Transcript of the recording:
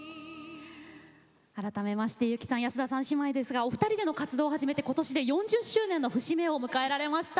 改めまして由紀さん安田さん姉妹ですがお二人での活動を始めて今年で４０周年の節目を迎えられました。